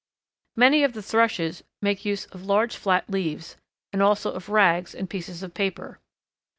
Many of the Thrushes make use of large flat leaves, and also of rags and pieces of paper.